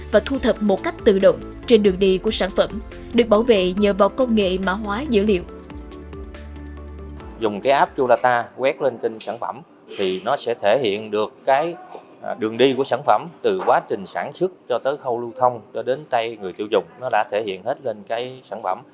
và thu thập một cách tự động trên đường đi của sản phẩm được bảo vệ nhờ vào công nghệ mã hóa dữ liệu